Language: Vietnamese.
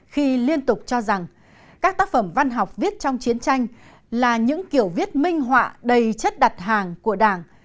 khi liên tục cho rằng các tác phẩm văn học viết trong chiến tranh là những kiểu viết minh họa đầy chất đặt hàng của đảng